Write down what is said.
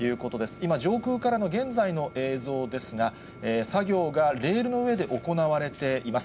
今、上空からの現在の映像ですが、作業がレールの上で行われています。